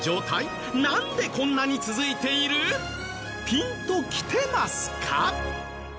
ピンと来てますか？